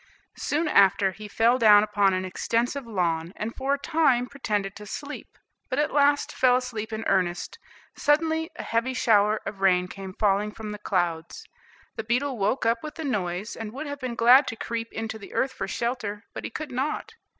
Soon after, he fell down upon an extensive lawn, and for a time pretended to sleep, but at last fell asleep in earnest. Suddenly a heavy shower of rain came falling from the clouds. The beetle woke up with the noise and would have been glad to creep into the earth for shelter, but he could not.